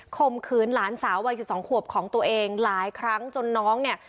ข่มขืนหลานสาววัย๑๒ขวบของตัวเองหลายครั้งจนน้องเนี่ย